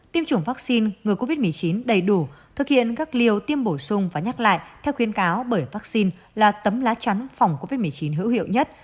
tiêm chủng vaccine ngừa covid một mươi chín đầy đủ thực hiện các liều tiêm bổ sung và nhắc lại theo khuyến cáo bởi vaccine là tấm lá chắn phòng covid một mươi chín hữu hiệu nhất